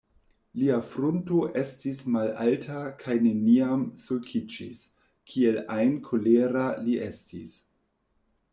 Lia frunto estis malalta kaj neniam sulkiĝis, kiel ajn kolera li estis.